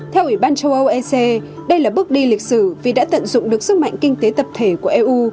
theo ủy ban châu âu ec đây là bước đi lịch sử vì đã tận dụng được sức mạnh kinh tế tập thể của eu